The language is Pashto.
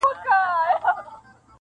ما مي په تحفه کي وزرونه درته ایښي دي -